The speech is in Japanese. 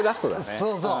そうそう。